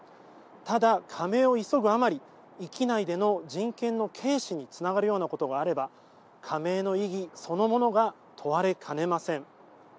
ただ、加盟を急ぐあまり域内での人権の軽視につながるようなことがあれば加盟の意義そのものが問われかねません。